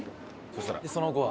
その後は？